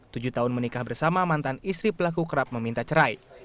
tujuh tahun menikah bersama mantan istri pelaku kerap meminta cerai